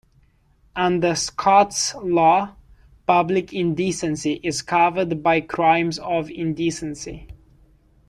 Under Scots law, public indecency is covered by Crimes of indecency.